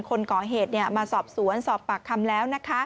คนก่อเหตุมาสอบสวนสอบปากคำแล้ว